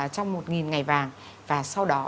trong một ngày vàng và sau đó